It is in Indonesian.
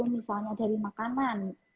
misalnya dari makanan